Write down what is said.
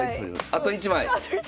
あと１枚！